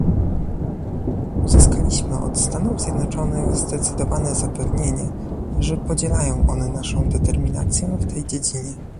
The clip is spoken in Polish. Uzyskaliśmy od Stanów Zjednoczonych zdecydowane zapewnienie, że podzielają one naszą determinację w tej dziedzinie